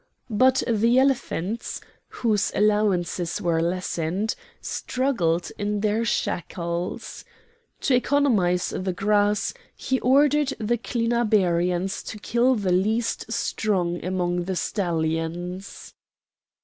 But the elephants, whose allowances were lessened, struggled in their shackles. To economise the grass he ordered the Clinabarians to kill the least strong among the stallions.